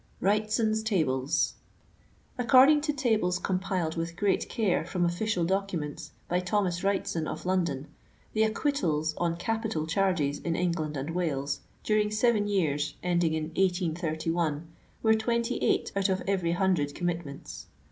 wrightson's tables. According to tables compiled with great care from official documents, by Thomas Wrightson, of London, the acquittals on capital charges in England and Wales during seven years end ing in 1831, were twenty eight out of every hundred commit ments.